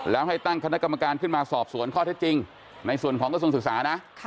แล้วให้ตั้งคณะกรรมการขึ้นมาสอบสวนข้อเท็จจริงในส่วนของกระทรวงศึกษานะ